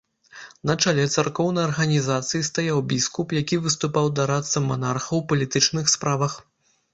На чале царкоўнай арганізацыі стаяў біскуп, які выступаў дарадцам манарха ў палітычных справах.